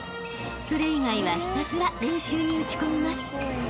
［それ以外はひたすら練習に打ち込みます］